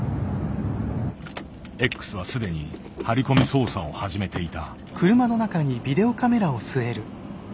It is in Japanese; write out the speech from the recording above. Ｘは既に張り込み捜査を始めていた。